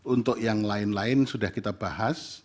untuk yang lain lain sudah kita bahas